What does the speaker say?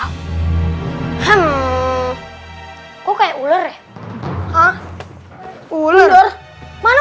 gak kalau lu di sana